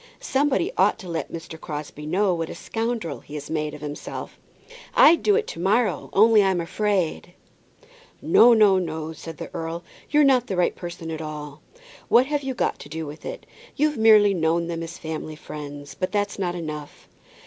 Somebody ought to let Mr. Crosbie know what a scoundrel he has made himself." "I'd do it to morrow, only I'm afraid " "No, no, no," said the earl; "you are not the right person at all. What have you got to do with it? You've merely known them as family friends, but that's not enough."